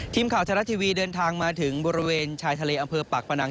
ทีมข่าวชะละทีวีเดินทางมาถึงบริเวณชายทะเลอำเภอปากพนัง